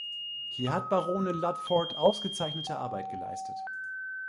Hier hat Baronin Ludford ausgezeichnete Arbeit geleistet.